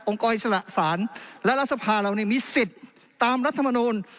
องค์กรอิสระศาลและรัฐสภาเราเนี่ยมีสิทธิ์ตามรัฐมนูล